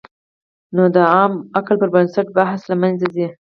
نو د عام عقل پر بنسټ بحث له منځه ځي.